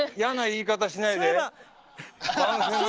言い方しないで。